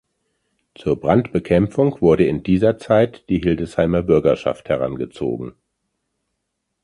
Zur Brandbekämpfung wurde in dieser Zeit die Hildesheimer Bürgerschaft herangezogen.